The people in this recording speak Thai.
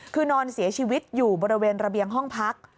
คือนอนเสียชีวิตอยู่บริเวณระเบียงห้องพัก